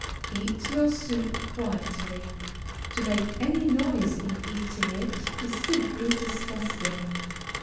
Eat your soup quietly. To make any noise in eating it, is simply disgusting.